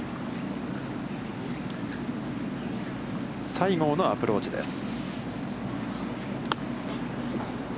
西郷のアプローチです。